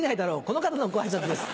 この方のご挨拶です。